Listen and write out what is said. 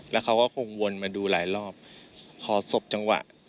แล้วเขาก็คงวนมาดูหลายรอบพอศพจังหวะ